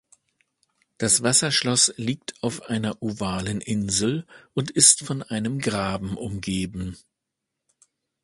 Das Wasserschloss liegt auf einer ovalen Insel und ist von einem Graben umgeben.